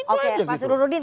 oke pak surududin